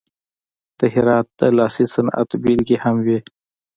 د هرات د لاسي صنعت بیلګې هم وې.